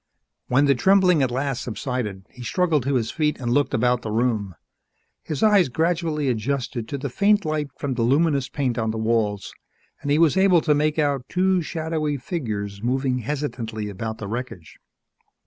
When the trembling at last subsided, he struggled to his feet and looked about the room. His eyes gradually adjusted to the faint light from the luminous paint on the walls and he was able to make out two shadowy figures moving hesitantly about the wreckage.